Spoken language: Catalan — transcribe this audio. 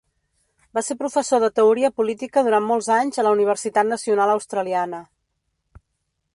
Va ser professor de teoria política durant molts anys a la Universitat Nacional Australiana.